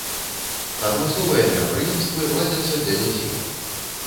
Адмысловыя мерапрыемствы ладзяцца для дзяцей.